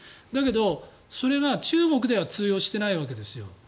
だけど、それが中国では通用してないわけですよ。